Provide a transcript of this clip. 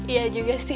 iya juga sih